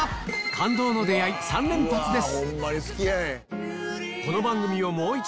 感動の出会い３連発です